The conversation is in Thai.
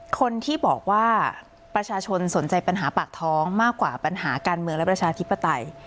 คนที่บอกว่าประชาชนสนใจปัญหาปากท้องมากกว่าปัญหาการเมืองและประชาธิปไตย